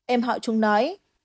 em họ trung nói